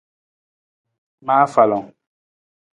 Ma afalang.